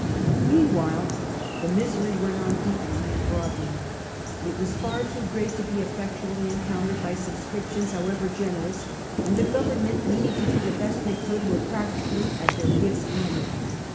Meanwhile the misery went on deepening and broadening. It was far too great to be effectually encountered by subscriptions however generous ; and the Government, meaning to do the best they could, were practically at their, wits' end.